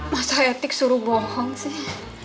masa etik suruh bohong sih